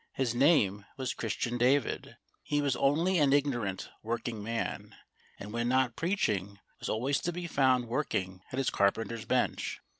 His name was Christian David. He was only an ignorant working man, and when not preaching was always to be found working at his carpenter's bench.